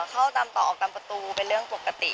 เข้าตามต่อออกตามประตูเป็นเรื่องปกติ